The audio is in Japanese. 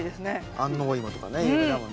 安納いもとかね有名だもんね。